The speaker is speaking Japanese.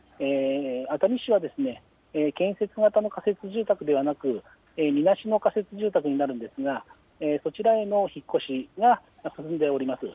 熱海市は建設型の仮設住宅ではなく、みなしの仮設住宅になるんですが、そちらへの引っ越しが進んでおります。